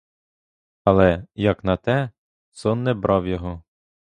Але, як на те, сон не брав його.